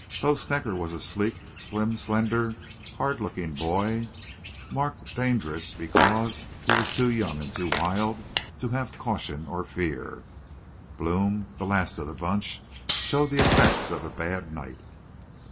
Bo Snecker was a sleek, slim, slender, hard looking boy, marked dangerous, because he was too young and too wild to have caution or fear. Blome, the last of the bunch, showed the effects of a bad night.